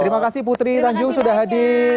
terima kasih putri tanjung sudah hadir